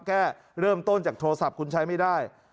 แก้เริ่มต้นจากโทรศัพท์คุณใช้ไม่ได้